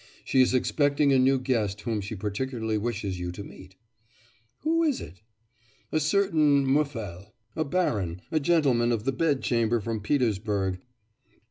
She is expecting a new guest whom she particularly wishes you to meet.' 'Who is it?' 'A certain Muffel, a baron, a gentleman of the bed chamber from Petersburg.